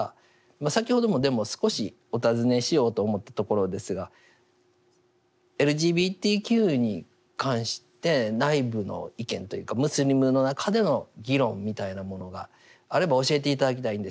先ほどもでも少しお尋ねしようと思ったところですがＬＧＢＴＱに関して内部の意見というかムスリムの中での議論みたいなものがあれば教えて頂きたいんですよ。